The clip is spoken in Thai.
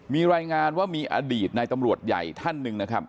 มีรายงานว่ามีอดีตในตำรวจใหญ่ท่านหนึ่งนะครับ